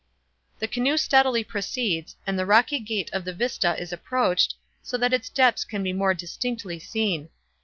The canoe steadily proceeds, and the rocky gate of the vista is approached, so that its depths can be more distinctly seen.